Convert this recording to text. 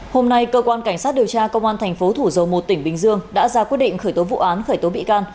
hôm nay cơ quan cảnh sát điều tra công an tp thủ dâu một tỉnh bình dương đã ra quyết định khởi tố vụ án khởi tố bị can